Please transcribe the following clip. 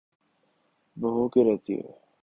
وہ ہو کے رہتی ہے۔